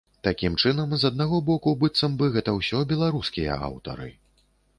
Такім чынам, з аднаго боку, быццам бы гэта ўсё беларускія аўтары.